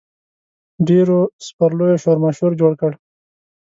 ډېرو سپرلیو شورماشور جوړ کړ.